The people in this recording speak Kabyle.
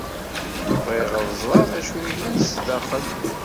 Bɣiɣ ad ẓreɣ d acu ay yellan sdaxel.